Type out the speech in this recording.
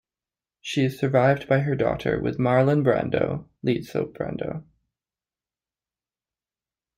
She is survived by her daughter with Marlon Brando, Lisa Brando.